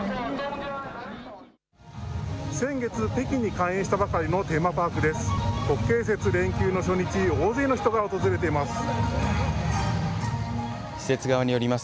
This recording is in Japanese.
先月、北京に開園したばかりのテーマパークです。